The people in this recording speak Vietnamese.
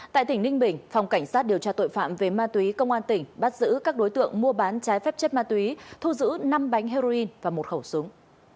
tại tỉnh ninh bình phòng cảnh sát điều tra tội phạm về ma túy công an tỉnh bắt giữ các đối tượng mua bán trái phép chất ma túy thu giữ năm bánh heroin và một khẩu súng